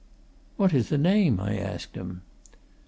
"What is the name?" I asked him.